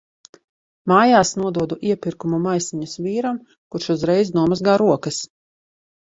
Mājās nododu iepirkumu maisiņus vīram, kurš uzreiz nomazgā rokas.